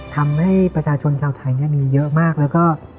ทำให้ประชาชนชาวไทยมีเยอะมากแล้วก็